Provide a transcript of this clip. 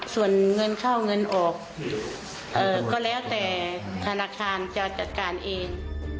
ส่วนเงินเข้าเงินออกก็แล้วแต่ธนาคารจะจัดการเอง